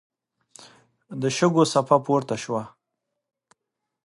د شګو څپه پورته شوه.